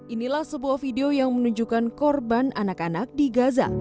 inilah sebuah video yang menunjukkan korban anak anak di gaza